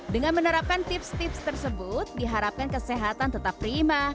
dengan menerapkan tips tips tersebut diharapkan kesehatan tetap prima